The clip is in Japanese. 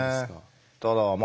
ただまあ